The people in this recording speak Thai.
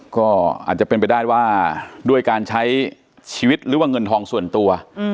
ก็อาจจะเป็นไปได้ว่าด้วยการใช้ชีวิตหรือว่าเงินทองส่วนตัว